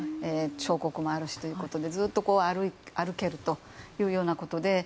彫刻もあるしということでずっと歩けるというようなことで。